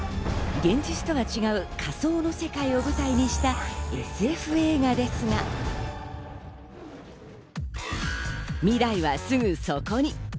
現実とは違う仮想の世界を舞台にしたＳＦ映画ですが、未来はすぐそこに。